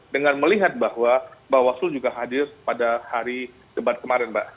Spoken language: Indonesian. dengan melihat bahwa bawaslu juga hadir pada hari debat kemarin mbak